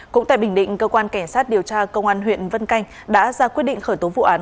cũng tại bình định cơ quan cảnh sát điều tra công an huyện vân canh đã ra quyết định khởi tố vụ án